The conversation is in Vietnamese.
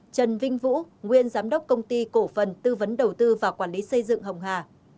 trần vinh vũ nguyên giám đốc công ty cổ phần tư vấn đầu tư và quản lý xây dựng hồng hà